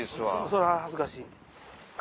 それは恥ずかしい。